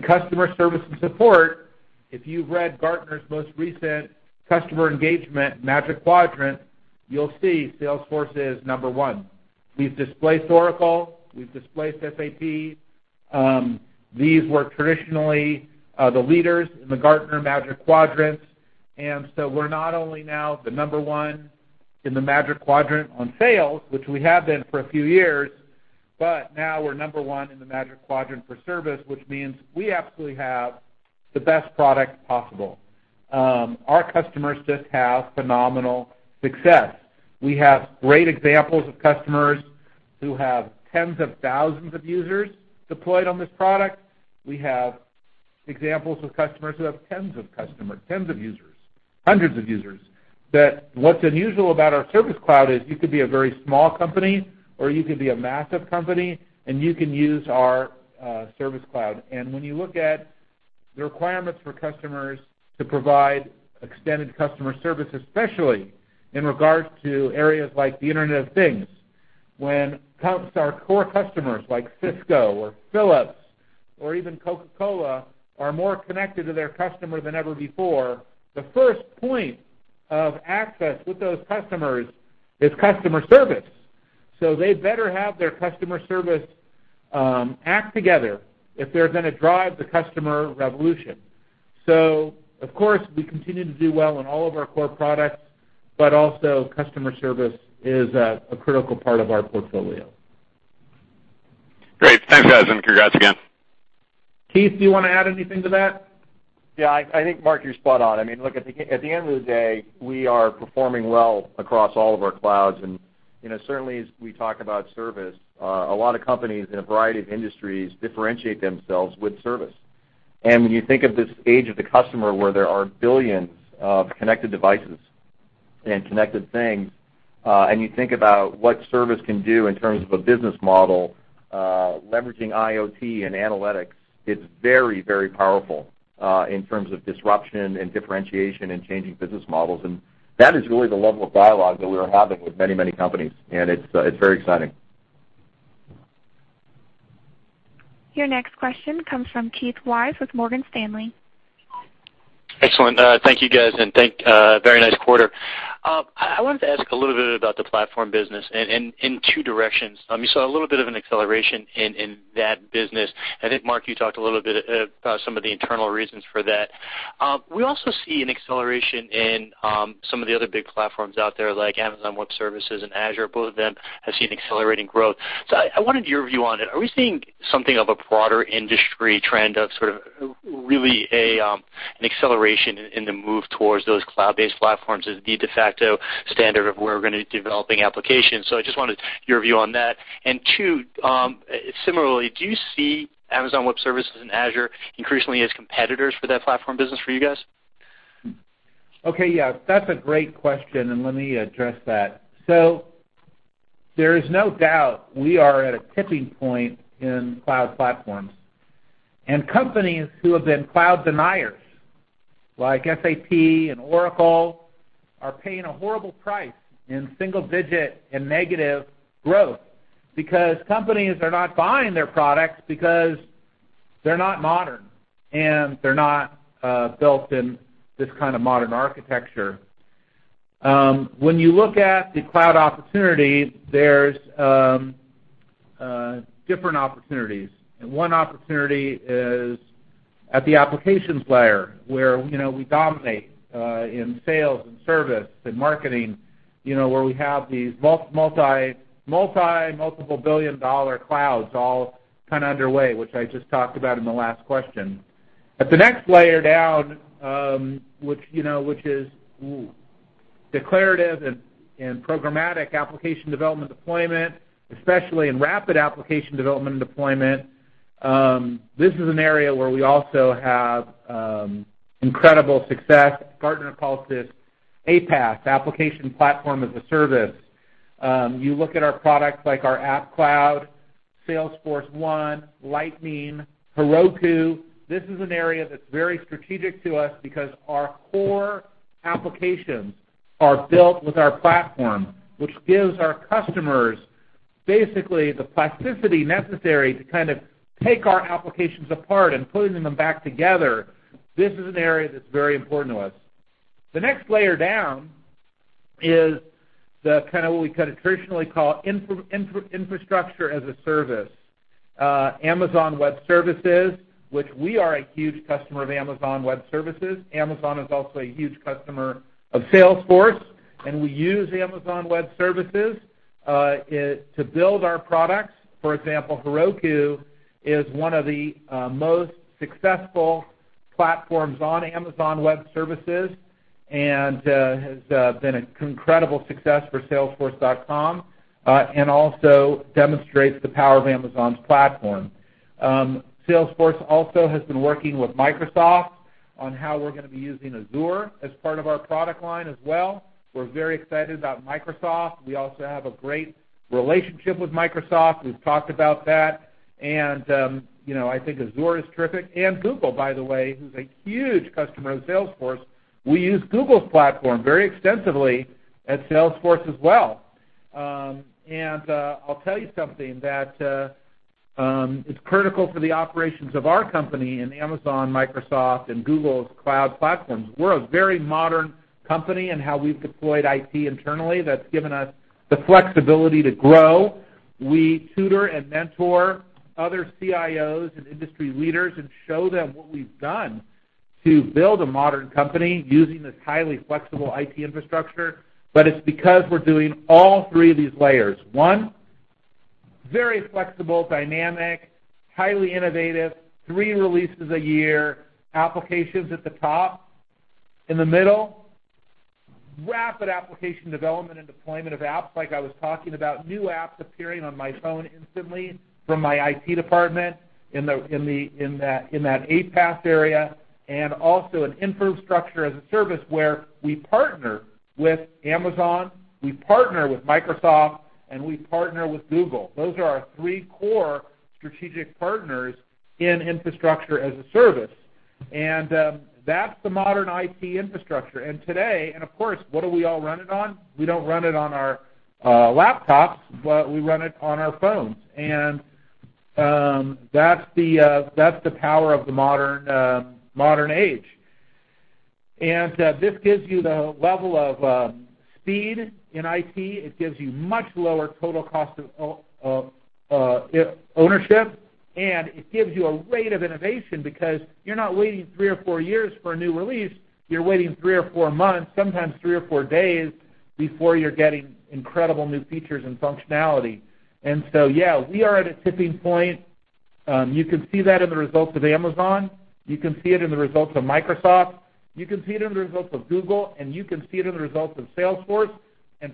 [SPEAKER 3] customer service and support, if you've read Gartner's most recent customer engagement Magic Quadrant, you'll see Salesforce is number one. We've displaced Oracle, we've displaced SAP. These were traditionally the leaders in the Gartner Magic Quadrant. So we're not only now the number one in the Magic Quadrant on sales, which we have been for a few years, but now we're number one in the Magic Quadrant for service, which means we absolutely have the best product possible. Our customers just have phenomenal success. We have great examples of customers who have tens of thousands of users deployed on this product. We have examples of customers who have tens of users, hundreds of users. That what's unusual about our Service Cloud is you could be a very small company or you could be a massive company, and you can use our Service Cloud. When you look at the requirements for customers to provide extended customer service, especially in regards to areas like the Internet of Things, when our core customers like Cisco or Philips or even Coca-Cola are more connected to their customer than ever before, the first point of access with those customers is customer service. They better have their customer service act together if they're going to drive the customer revolution. Of course, we continue to do well in all of our core products, but also customer service is a critical part of our portfolio.
[SPEAKER 6] Great. Thanks, guys, and congrats again.
[SPEAKER 3] Keith, do you want to add anything to that?
[SPEAKER 4] Yeah, I think, Mark, you're spot on. Look, at the end of the day, we are performing well across all of our clouds. Certainly as we talk about service, a lot of companies in a variety of industries differentiate themselves with service. When you think of this age of the customer, where there are billions of connected devices and connected things, and you think about what service can do in terms of a business model, leveraging IoT and analytics, it's very powerful in terms of disruption and differentiation and changing business models. That is really the level of dialogue that we are having with many companies, and it's very exciting.
[SPEAKER 1] Your next question comes from Keith Weiss with Morgan Stanley.
[SPEAKER 7] Excellent. Thank you, guys. Very nice quarter. I wanted to ask a little bit about the platform business in two directions. You saw a little bit of an acceleration in that business. I think, Mark, you talked a little bit about some of the internal reasons for that. We also see an acceleration in some of the other big platforms out there, like Amazon Web Services and Azure. Both of them have seen accelerating growth. I wanted your view on it. Are we seeing something of a broader industry trend of sort of really an acceleration in the move towards those cloud-based platforms as the de facto standard of where we're going to be developing applications? I just wanted your view on that. Two, similarly, do you see Amazon Web Services and Azure increasingly as competitors for that platform business for you guys?
[SPEAKER 3] Okay, yeah. That's a great question. Let me address that. There is no doubt we are at a tipping point in cloud platforms, and companies who have been cloud deniers, like SAP and Oracle, are paying a horrible price in single-digit and negative growth because companies are not buying their products because they're not modern, and they're not built in this kind of modern architecture. When you look at the cloud opportunity, there's different opportunities. One opportunity is at the applications layer where we dominate in sales and service and marketing where we have these multi-multiple billion-dollar clouds all kind of underway, which I just talked about in the last question. At the next layer down, which is declarative and programmatic application development deployment, especially in rapid application development and deployment, this is an area where we also have incredible success. Gartner calls this APaaS, Application Platform as a Service. You look at our products like our App Cloud, Salesforce1, Lightning, Heroku. This is an area that's very strategic to us because our core applications are built with our platform, which gives our customers basically the plasticity necessary to kind of take our applications apart and putting them back together. This is an area that's very important to us. The next layer down is what we traditionally call Infrastructure as a Service. Amazon Web Services, which we are a huge customer of Amazon Web Services. Amazon is also a huge customer of Salesforce, and we use Amazon Web Services to build our products. For example, Heroku is one of the most successful platforms on Amazon Web Services and has been an incredible success for Salesforce and also demonstrates the power of Amazon's platform. Salesforce also has been working with Microsoft on how we're going to be using Azure as part of our product line as well. We're very excited about Microsoft. We also have a great relationship with Microsoft. We've talked about that. I think Azure is terrific, and Google, by the way, who's a huge customer of Salesforce. We use Google's platform very extensively at Salesforce as well. I'll tell you something, that it's critical for the operations of our company and Amazon, Microsoft, and Google's cloud platforms. We're a very modern company in how we've deployed IT internally that's given us the flexibility to grow. We tutor and mentor other CIOs and industry leaders and show them what we've done to build a modern company using this highly flexible IT infrastructure. It's because we're doing all three of these layers. One, very flexible, dynamic, highly innovative, three releases a year, applications at the top. In the middle, rapid application development and deployment of apps like I was talking about, new apps appearing on my phone instantly from my IT department in that APaaS area. Also an Infrastructure as a Service where we partner with Amazon, we partner with Microsoft, and we partner with Google. Those are our three core strategic partners in Infrastructure as a Service. That's the modern IT infrastructure. Today, and of course, what do we all run it on? We don't run it on our laptops, but we run it on our phones. That's the power of the modern age. This gives you the level of speed in IT. It gives you much lower total cost of ownership, and it gives you a rate of innovation because you're not waiting three or four years for a new release. You're waiting three or four months, sometimes three or four days before you're getting incredible new features and functionality. Yeah, we are at a tipping point. You can see that in the results of Amazon. You can see it in the results of Microsoft. You can see it in the results of Google, and you can see it in the results of Salesforce.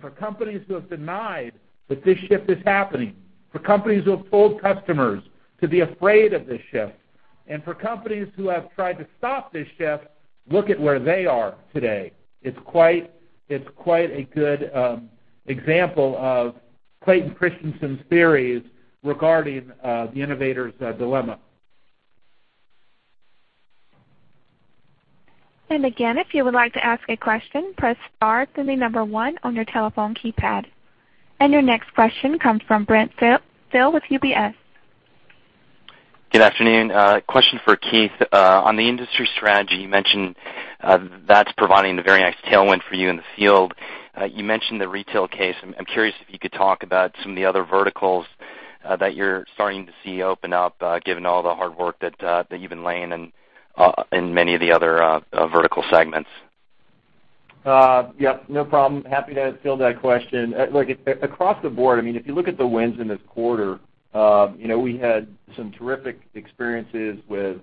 [SPEAKER 3] For companies who have denied that this shift is happening, for companies who have told customers to be afraid of this shift, and for companies who have tried to stop this shift, look at where they are today. It's quite a good example of Clayton Christensen's theories regarding the innovator's dilemma.
[SPEAKER 1] Again, if you would like to ask a question, press star, then the number one on your telephone keypad. Your next question comes from Brent Thill with UBS.
[SPEAKER 8] Good afternoon. A question for Keith. On the industry strategy, you mentioned That's providing a very nice tailwind for you in the field. You mentioned the retail case. I'm curious if you could talk about some of the other verticals that you're starting to see open up, given all the hard work that you've been laying in many of the other vertical segments.
[SPEAKER 4] Yep, no problem. Happy to field that question. Look, across the board, if you look at the wins in this quarter, we had some terrific experiences with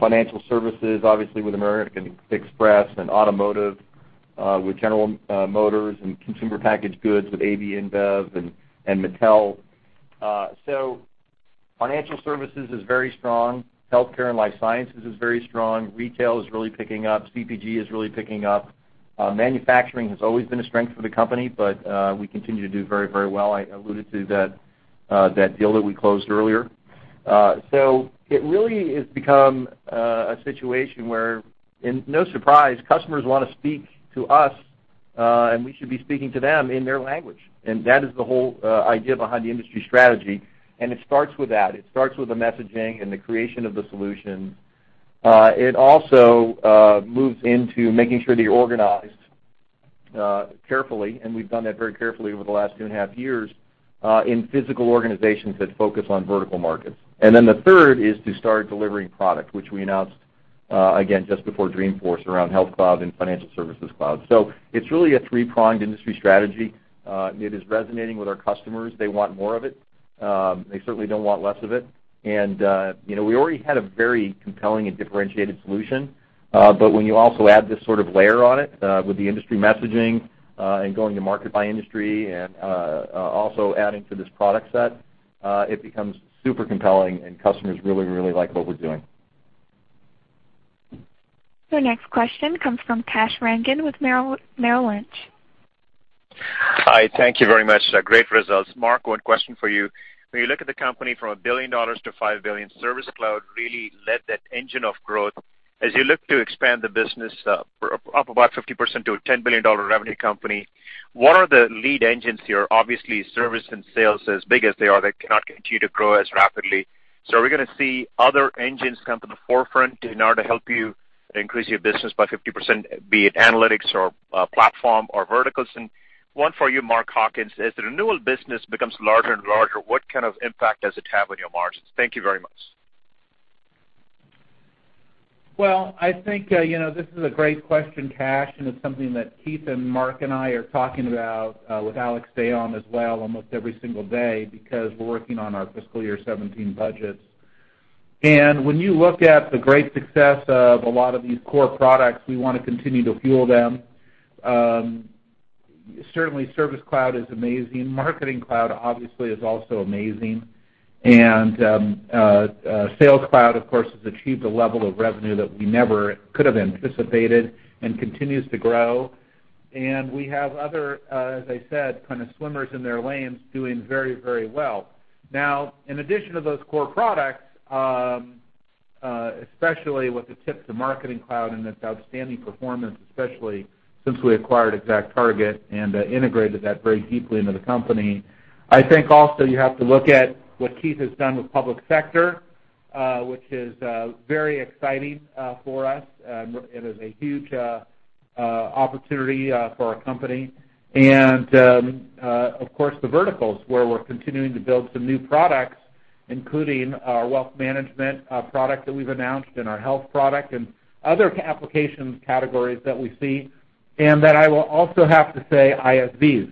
[SPEAKER 4] financial services, obviously with American Express, and automotive with General Motors, and consumer packaged goods with AB InBev and Mattel. Financial services is very strong. Healthcare and life sciences is very strong. Retail is really picking up. CPG is really picking up. Manufacturing has always been a strength for the company, but we continue to do very well. I alluded to that deal that we closed earlier. It really has become a situation where, no surprise, customers want to speak to us, and we should be speaking to them in their language. That is the whole idea behind the industry strategy, and it starts with that. It starts with the messaging and the creation of the solution. It also moves into making sure that you're organized carefully, and we've done that very carefully over the last two and a half years in physical organizations that focus on vertical markets. The third is to start delivering product, which we announced, again, just before Dreamforce around Health Cloud and Financial Services Cloud. It's really a three-pronged industry strategy. It is resonating with our customers. They want more of it. They certainly don't want less of it. We already had a very compelling and differentiated solution. When you also add this sort of layer on it with the industry messaging, and going to market by industry, and also adding to this product set, it becomes super compelling, and customers really, really like what we're doing.
[SPEAKER 1] Your next question comes from Kash Rangan with Merrill Lynch.
[SPEAKER 9] Hi, thank you very much. Great results. Marc, one question for you. When you look at the company from $1 billion to $5 billion, Service Cloud really led that engine of growth. As you look to expand the business up about 50% to a $10 billion revenue company, what are the lead engines here? Obviously, service and sales, as big as they are, they cannot continue to grow as rapidly. Are we going to see other engines come to the forefront in order to help you increase your business by 50%, be it analytics or platform or verticals? One for you, Mark Hawkins, as the renewal business becomes larger and larger, what kind of impact does it have on your margins? Thank you very much.
[SPEAKER 3] Well, I think this is a great question, Kash, and it's something that Keith and Marc and I are talking about, with Alex Dayon as well, almost every single day, because we're working on our fiscal year 2017 budgets. When you look at the great success of a lot of these core products, we want to continue to fuel them. Certainly, Service Cloud is amazing. Marketing Cloud obviously is also amazing. Sales Cloud, of course, has achieved a level of revenue that we never could have anticipated and continues to grow. We have other, as I said, kind of swimmers in their lanes doing very well. Now, in addition to those core products, especially with the tip to Marketing Cloud and its outstanding performance, especially since we acquired ExactTarget and integrated that very deeply into the company. I think also you have to look at what Keith has done with public sector, which is very exciting for us. It is a huge opportunity for our company. Of course, the verticals, where we're continuing to build some new products, including our Financial Services Cloud that we've announced and our Health Cloud and other application categories that we see. Then I will also have to say ISVs.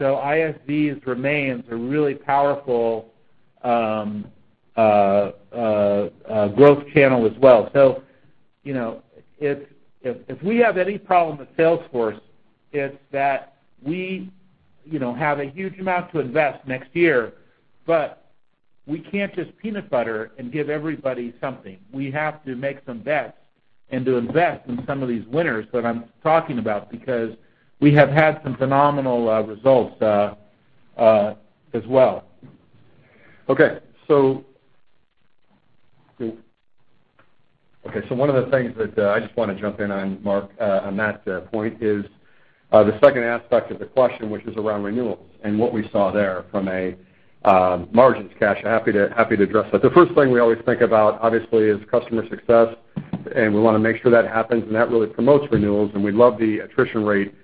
[SPEAKER 3] ISVs remains a really powerful growth channel as well. If we have any problem with Salesforce, it's that we have a huge amount to invest next year, but we can't just peanut butter and give everybody something. We have to make some bets and to invest in some of these winners that I'm talking about, because we have had some phenomenal results as well. Okay.
[SPEAKER 5] One of the things that I just want to jump in on, Marc, on that point is the second aspect of the question, which is around renewals and what we saw there from a margins, Kash. Happy to address that. The first thing we always think about, obviously, is customer success, and we want to make sure that happens, and that really promotes renewals, and we love the attrition rate,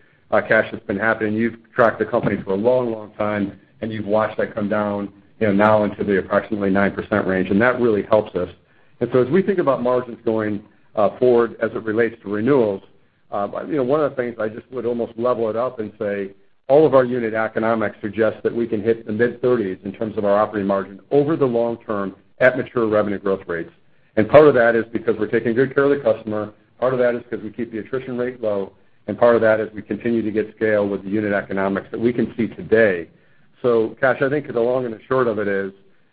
[SPEAKER 5] Kash, that's been happening. You've tracked the company for a long time, and you've watched that come down now into the approximately 9% range, and that really helps us. As we think about margins going forward as it relates to renewals, one of the things I just would almost level it up and say, all of our unit economics suggests that we can hit the mid-30s in terms of our operating margin over the long term at mature revenue growth rates. Part of that is because we're taking good care of the customer, part of that is because we keep the attrition rate low, and part of that is we continue to get scale with the unit economics that we can see today. Kash, I think the long and the short of it is,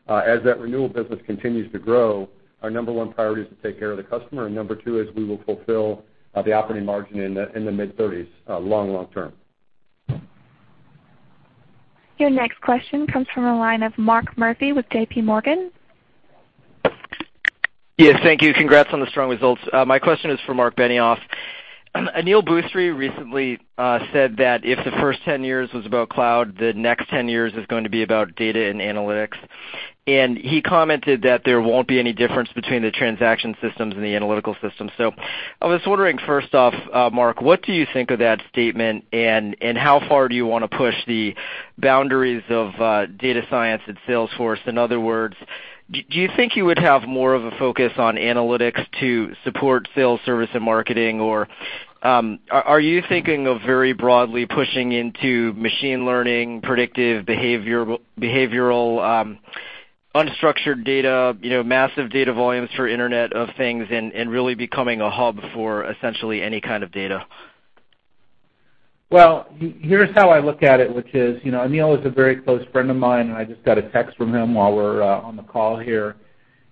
[SPEAKER 5] as that renewal business continues to grow, our number one priority is to take care of the customer, and number two is we will fulfill the operating margin in the mid-30s long term.
[SPEAKER 1] Your next question comes from the line of Mark Murphy with JPMorgan.
[SPEAKER 10] Yes, thank you. Congrats on the strong results. My question is for Marc Benioff. Aneel Bhusri recently said that if the first 10 years was about cloud, the next 10 years is going to be about data and analytics. He commented that there won't be any difference between the transaction systems and the analytical systems. I was wondering, first off, Marc, what do you think of that statement? How far do you want to push the boundaries of data science at Salesforce? In other words, do you think you would have more of a focus on analytics to support sales, service, and marketing? Are you thinking of very broadly pushing into machine learning, predictive behavioral unstructured data, massive data volumes for Internet of Things, and really becoming a hub for essentially any kind of data?
[SPEAKER 3] Here's how I look at it, which is, Aneel is a very close friend of mine, and I just got a text from him while we're on the call here.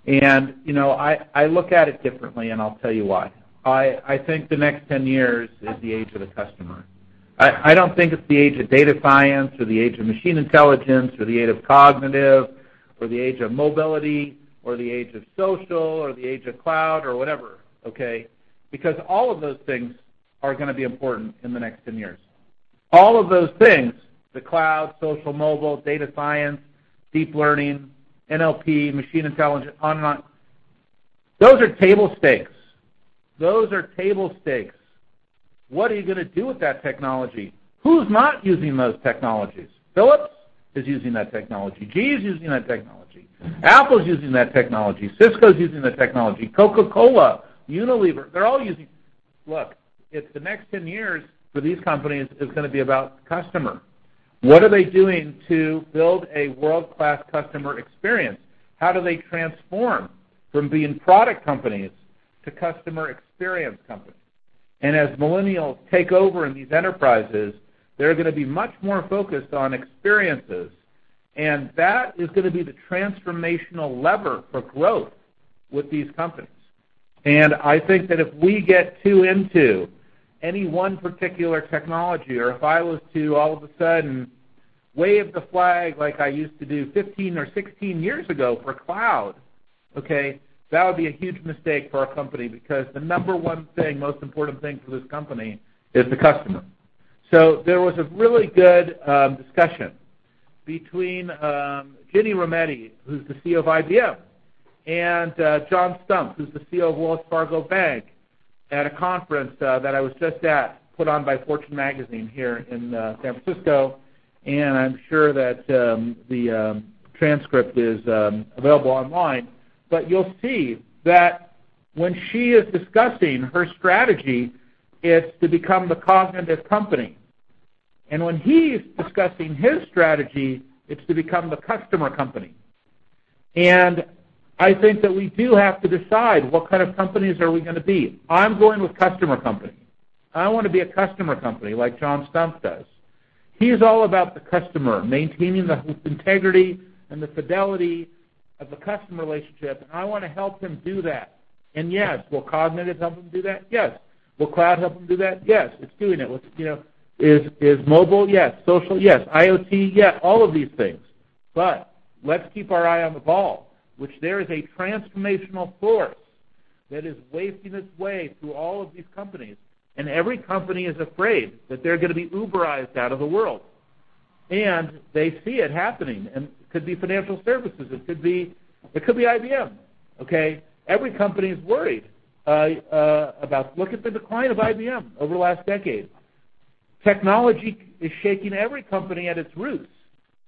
[SPEAKER 3] I look at it differently, and I'll tell you why. I think the next 10 years is the age of the customer. I don't think it's the age of data science, or the age of machine intelligence, or the age of cognitive, or the age of mobility, or the age of social, or the age of cloud, or whatever. Okay. All of those things are going to be important in the next 10 years. All of those things, the cloud, social, mobile, data science, deep learning, NLP, machine intelligence, on and on, those are table stakes. What are you going to do with that technology? Who's not using those technologies? Philips is using that technology. GE is using that technology. Apple's using that technology. Cisco's using that technology. Coca-Cola, Unilever, they're all using it. The next 10 years for these companies is going to be about the customer. What are they doing to build a world-class customer experience? How do they transform from being product companies to customer experience companies? As millennials take over in these enterprises, they're going to be much more focused on experiences, and that is going to be the transformational lever for growth with these companies. I think that if we get too into any one particular technology, or if I was to, all of a sudden, wave the flag like I used to do 15 or 16 years ago for cloud, okay, that would be a huge mistake for our company because the number one thing, most important thing for this company is the customer. There was a really good discussion between Ginni Rometty, who's the CEO of IBM, and John Stumpf, who's the CEO of Wells Fargo Bank, at a conference that I was just at, put on by Fortune Magazine here in San Francisco. I'm sure that the transcript is available online. You'll see that when she is discussing her strategy, it's to become the cognitive company. When he's discussing his strategy, it's to become the customer company. I think that we do have to decide what kind of companies are we going to be. I'm going with customer company. I want to be a customer company like John Stumpf does. He's all about the customer, maintaining the integrity and the fidelity of the customer relationship, and I want to help him do that. Will cognitive help him do that? Yes. Will cloud help him do that? Yes. It's doing it with Is mobile? Yes. Social? Yes. IoT? Yes. All of these things. Let's keep our eye on the ball, which there is a transformational force that is wasting its way through all of these companies. Every company is afraid that they're going to be Uberized out of the world. They see it happening, and it could be financial services. It could be IBM. Okay? Every company is worried about Look at the decline of IBM over the last decade. Technology is shaking every company at its roots.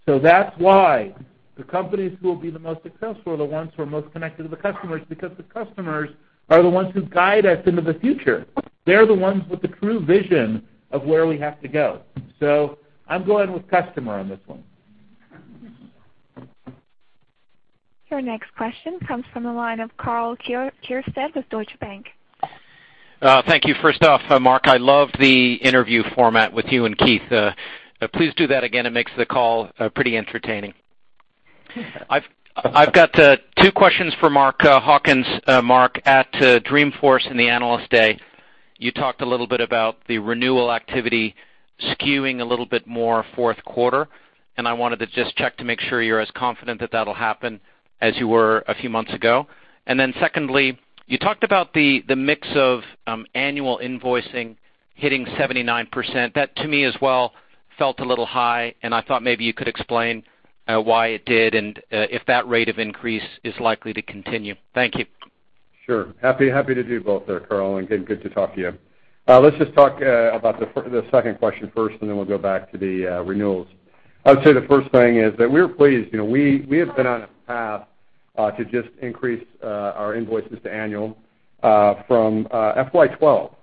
[SPEAKER 3] That's why the companies who will be the most successful are the ones who are most connected to the customers because the customers are the ones who guide us into the future. They're the ones with the true vision of where we have to go. I'm going with customer on this one.
[SPEAKER 1] Your next question comes from the line of Karl Keirstead with Deutsche Bank.
[SPEAKER 11] Thank you. First off, Marc, I love the interview format with you and Keith. Please do that again. It makes the call pretty entertaining. I've got two questions for Mark Hawkins. Mark, at Dreamforce in the Analyst Day, you talked a little bit about the renewal activity skewing a little bit more fourth quarter. I wanted to just check to make sure you're as confident that that'll happen as you were a few months ago. Secondly, you talked about the mix of annual invoicing hitting 79%. That to me as well felt a little high. I thought maybe you could explain why it did and if that rate of increase is likely to continue. Thank you.
[SPEAKER 5] Sure. Happy to do both there, Karl, and good to talk to you. Let's just talk about the second question first, and then we'll go back to the renewals. I would say the first thing is that we're pleased. We have been on a path to just increase our invoices to annual from FY 2012.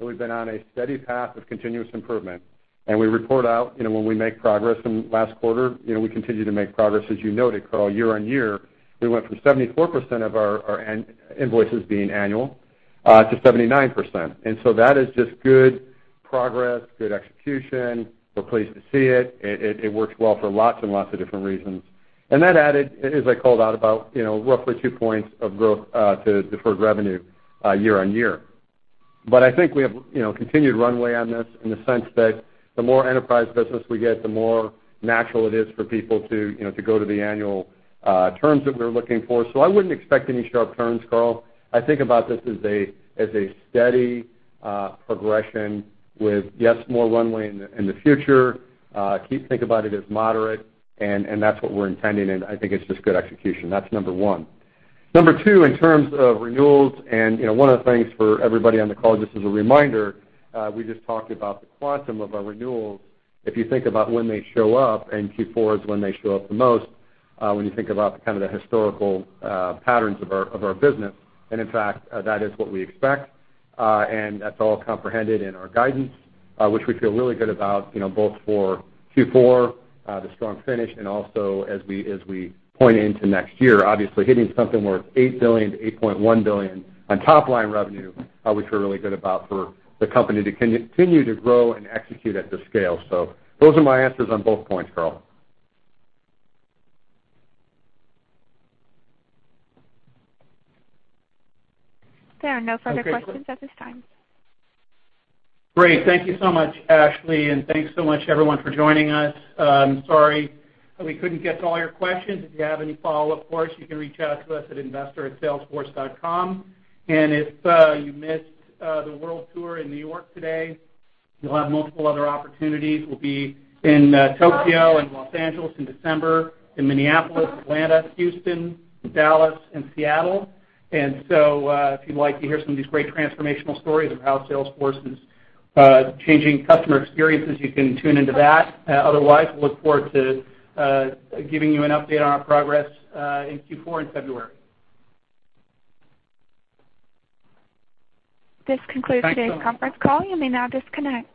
[SPEAKER 5] We've been on a steady path of continuous improvement, and we report out when we make progress. Last quarter, we continue to make progress, as you noted, Karl, year-over-year. We went from 74% of our invoices being annual to 79%. That is just good progress, good execution. We're pleased to see it. It works well for lots and lots of different reasons. That added, as I called out, about roughly two points of growth to deferred revenue year-over-year. I think we have continued runway on this in the sense that the more enterprise business we get, the more natural it is for people to go to the annual terms that we're looking for. I wouldn't expect any sharp turns, Karl. I think about this as a steady progression with, yes, more runway in the future. Keith, think about it as moderate, and that's what we're intending, and I think it's just good execution. That's number one. Number two, in terms of renewals, one of the things for everybody on the call, just as a reminder, we just talked about the quantum of our renewals. If you think about when they show up, Q4 is when they show up the most, when you think about the historical patterns of our business. In fact, that is what we expect, and that's all comprehended in our guidance, which we feel really good about, both for Q4, the strong finish, and also as we point into next year. Obviously, hitting something worth $8 billion-$8.1 billion on top-line revenue, which we feel really good about for the company to continue to grow and execute at this scale. Those are my answers on both points, Karl.
[SPEAKER 1] There are no further questions at this time.
[SPEAKER 2] Great. Thank you so much, Ashley, and thanks so much everyone for joining us. I'm sorry we couldn't get to all your questions. If you have any follow-up for us, you can reach out to us at investor@salesforce.com. If you missed the World Tour in New York today, you'll have multiple other opportunities. We'll be in Tokyo and Los Angeles in December, in Minneapolis, Atlanta, Houston, Dallas, and Seattle. If you'd like to hear some of these great transformational stories of how Salesforce is changing customer experiences, you can tune into that. Otherwise, look forward to giving you an update on our progress in Q4 in February.
[SPEAKER 1] This concludes today's conference call. You may now disconnect.